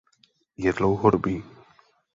Je dlouhodobý.